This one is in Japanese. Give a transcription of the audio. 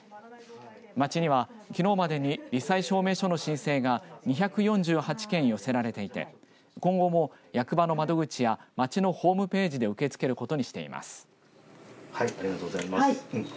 町にはきのうまでにり災証明書の申請が２４８件寄せられていて今後も役場の窓口や町のホームページで受け付けることにしています。